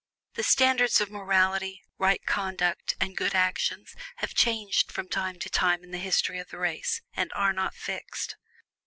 The standards of morality, right conduct, and good actions have changed from time to time in the history of the race, and are not fixed.